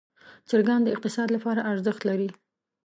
چرګان د اقتصاد لپاره ارزښت لري.